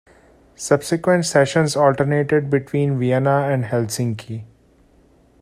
Subsequent sessions alternated between Vienna and Helsinki.